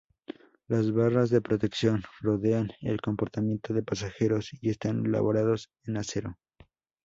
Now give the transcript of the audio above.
Las barras de protección rodean el compartimento de pasajeros y están elaboradas en acero.